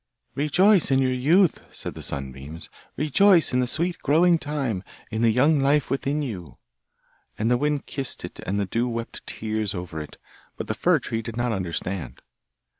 'Rejoice in your youth,' said the sunbeams, 'rejoice in the sweet growing time, in the young life within you.' And the wind kissed it and the dew wept tears over it, but the fir tree did not understand.